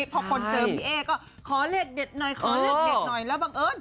พอคนเจอพี่เอก็ขอเลขเด็ดหน่อยแล้วบังเอิญ